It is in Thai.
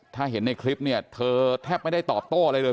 ถ้าเห็นในคลิปเนี่ยเธอแทบไม่ได้ตอบโต้อะไรเลย